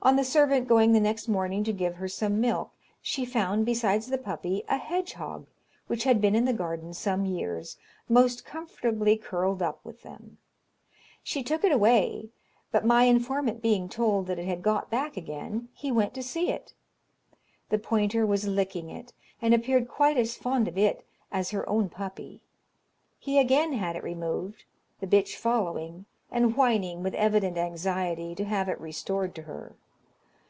On the servant going the next morning to give her some milk, she found, besides the puppy, a hedgehog, which had been in the garden some years, most comfortably curled up with them. She took it away, but my informant being told that it had got back again, he went to see it. The pointer was licking it, and appeared quite as fond of it as of her own puppy. He again had it removed, the bitch following, and whining with evident anxiety to have it restored to her.